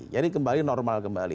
jadi kembali normal kembali